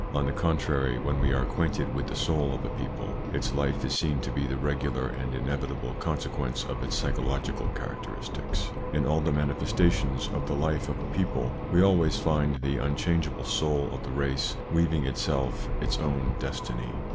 On the contrary, when we are acquainted with the soul of a people, its life is seen to be the regular and inevit able consequence of its psychological characteristics. In all the manifestations of the life of a people, we always find the unchangeable soul of the race weaving itself its own destiny.